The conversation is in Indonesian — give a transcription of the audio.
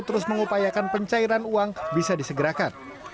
terus mengupayakan pencairan uang bisa disegerakan